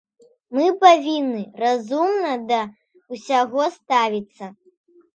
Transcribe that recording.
Мы павінны разумна да ўсяго ставіцца.